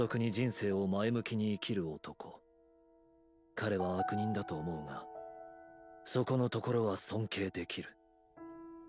彼は悪人だと思うがそこのところは尊敬できる。